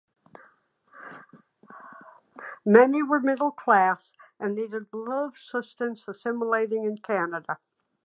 Many were middle class and needed little assistance assimilating in Canada.